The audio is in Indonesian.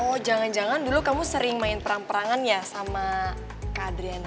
oh jangan jangan dulu kamu sering main perang perangan ya sama kak adriana